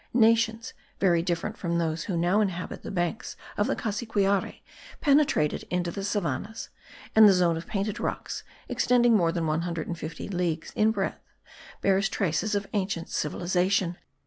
Nations, very different from those who now inhabit the banks of the Cassiquiare, penetrated into the savannahs; and the zone of painted rocks, extending more than 150 leagues in breadth, bears traces of ancient civilization.